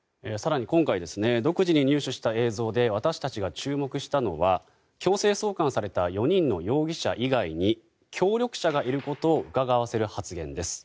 更に今回独自に入手した映像で私たちが注目したのは強制送還された４人の容疑者以外に協力者がいることをうかがわせる発言です。